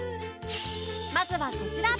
まずはこちら！